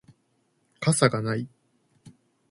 傘がない